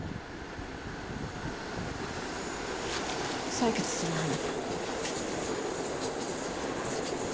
採血するわね。